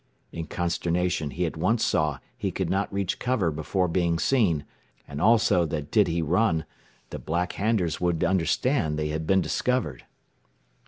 In consternation he at once saw he could not reach cover before being seen, and also that did he run, the Black Handers would understand they had been discovered.